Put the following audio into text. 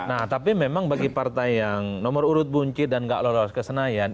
nah tapi memang bagi partai yang nomor urut buncit dan gak lolos ke senayan